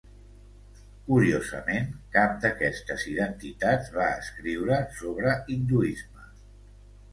Curiosament, cap d'aquestes identitats va escriure sobre hinduisme.